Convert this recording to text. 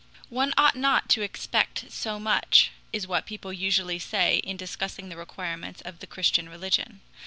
"One ought not to expect so much," is what people usually say in discussing the requirements of the Christian religion.